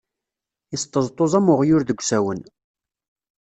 Isṭeẓṭuẓ am uɣyul deg usawen.